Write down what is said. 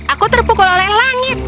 aku terpukul oleh langit